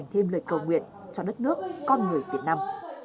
thêm lời cầu nguyện cho đất nước con người việt nam